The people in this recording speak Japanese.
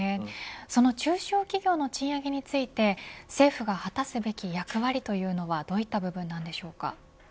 その中小企業の賃上げについて政府が果たすべき役割というのはどういった部分なのでしょうか。